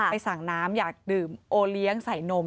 สั่งน้ำอยากดื่มโอเลี้ยงใส่นม